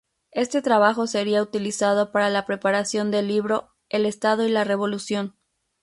Este trabajo sería utilizado para la preparación del libro "El Estado y la revolución".